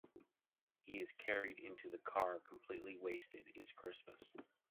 He is carried into the car completely wasted, it’s Christmas.